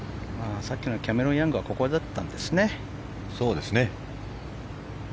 さっきのキャメロン・ヤングはここだったんですね。